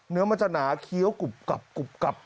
เนื้อมันจะหนาเคี้ยวกลุบกลับกลุบกลับ